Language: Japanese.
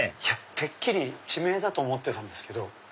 てっきり地名だと思ってたんですけど。